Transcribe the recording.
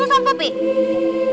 kamu tinggal pilih aja